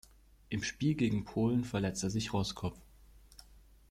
Im Spiel gegen Polen verletzte sich Roßkopf.